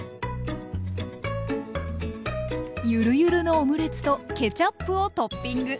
ゆるゆるのオムレツとケチャップをトッピング。